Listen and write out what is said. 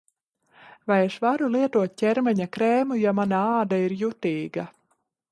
Vai es varu lietot ķermeņa krēmu, ja mana āda ir jutīga?